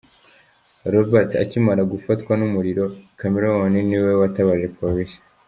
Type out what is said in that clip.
Robert akimara gufatwa n’umuriro, Chameleone ni we watabaje Polisi.